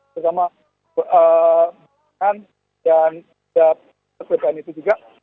bersama bnp dan sdpn itu juga